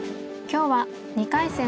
今日は２回戦